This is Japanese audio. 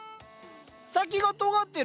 先がとがってる。